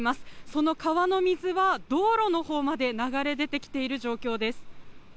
その川の水は道路のほうまで流れ出てきている状況です。